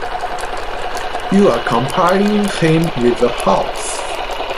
You are comparing him with a horse!